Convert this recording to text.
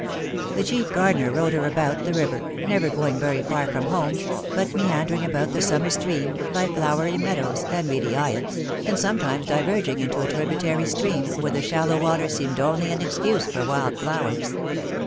The chief gardener rowed her about the river, never going very far from home, but meandering about the summer stream, by flowery meadows, and reedy eyots, and sometimes diverging into a tributary stream, where the shallow water seemed only an excuse for wild flowers.